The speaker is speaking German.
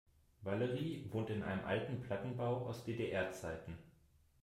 Valerie wohnt in einem alten Plattenbau aus DDR-Zeiten.